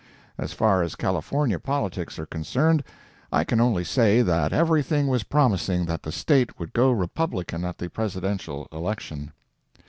As far as California politics are concerned, I can only say that everything was promising that the State would go Republican at the Presidential election.